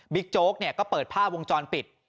โจ๊กก็เปิดภาพวงจรปิด